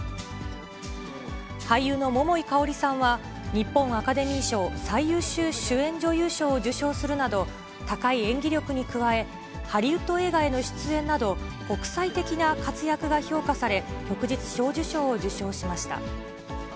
俳優の桃井かおりさんは日本アカデミー賞最優秀主演女優賞を受賞するなど、高い演技力に加え、ハリウッド映画への出演など、国際的な活躍が評価され、旭日小綬章を受章しました。